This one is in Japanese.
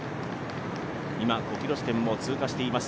今、５ｋｍ地点を通過しています。